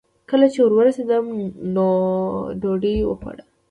کله چې ور ورسېدم، نو دوی ډوډۍ خوړه.